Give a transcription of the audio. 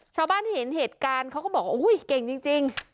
ชาวบ้านที่เห็นเหตุการณ์เขาก็บอกว่าอุ้ยเก่งจริง